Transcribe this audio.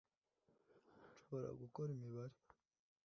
nshobora gukora imibare